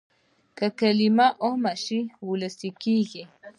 که کلمه عامه شي وولسي کېږي.